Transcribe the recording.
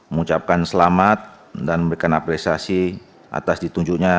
mengucapkan selamat dan memberikan apresiasi atas ditunjuknya